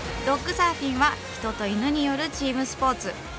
ドッグサーフィンは人と犬によるチームスポーツ。